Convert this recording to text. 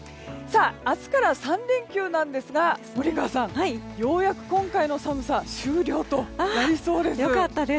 明日から３連休なんですが森川さん、ようやく今回の寒さ終了となりそうですよ。